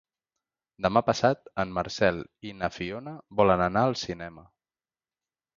Demà passat en Marcel i na Fiona volen anar al cinema.